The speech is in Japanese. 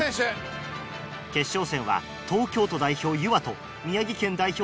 決勝戦は東京都代表ゆわと宮城県代表